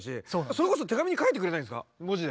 それこそ手紙に書いてくれないんですか文字で。